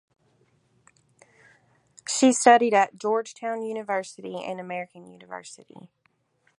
She studied at Georgetown University and American University.